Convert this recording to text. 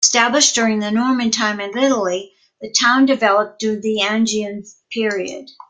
Established during the Norman time in Italy, the town developed during the Angevin period.